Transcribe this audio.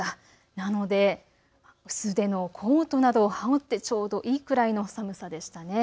なので薄手のコートなどを羽織ってちょうどいいくらいの寒さでしたね。